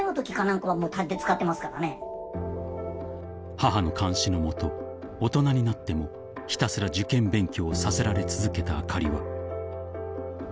［母の監視の下大人になってもひたすら受験勉強をさせられ続けたあかりは］